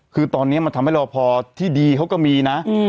คือตอนนี้มันทำให้รอพอที่ดีเขาก็มีนะ